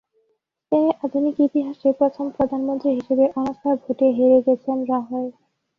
স্পেনের আধুনিক ইতিহাসে প্রথম প্রধানমন্ত্রী হিসেবে অনাস্থা ভোটে হেরে গেছেন রাহয়।